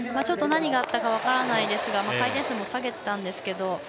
ちょっと何があったか分からないですが回転数も下げてたんですけど。